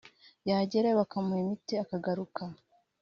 yagerayo bakamuha imiti akagaruka